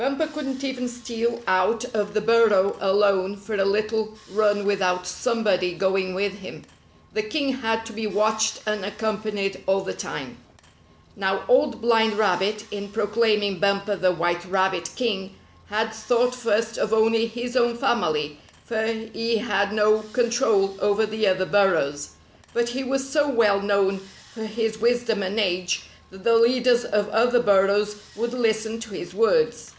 Bumper couldn't even steal out 72 Rusty Warns Bumper 73 of the burrow alone for a little run without some body going with him. The king had to be watched and accompanied all the time. Now Old Blind Rabbit, in proclaiming Bumper the White Rabbit king, had thought first of only his own family, for he had no con trol over the other burrows; but he was so well known for his wisdom and age that the leaders of other burrows would listen to his words.